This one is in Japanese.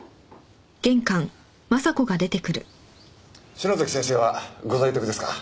篠崎先生はご在宅ですか？